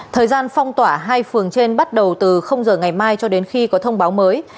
thời gian phong tỏa hai phường trên bắt đầu từ giờ ngày mai cho đến khi có thông báo mới